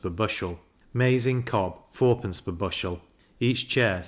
per bushel; maize in cob 4d. per bushel; each chair 6d.